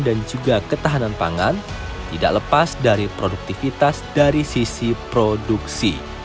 dan juga ketahanan pangan tidak lepas dari produktivitas dari sisi produksi